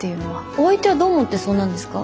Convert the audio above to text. お相手はどう思ってそうなんですか？